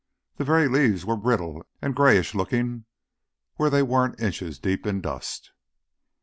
The very leaves were brittle and grayish looking where they weren't inches deep in dust.